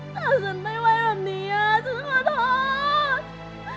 แต่ฉันไม่ไว้แบบนี้ฉันขอโทษ